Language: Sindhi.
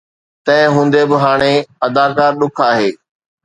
تنهن هوندي به، هاڻي اداڪار ڏک آهي